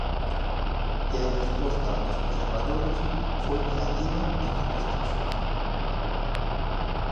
E a resposta dos conservadores foi negativa en ambos casos.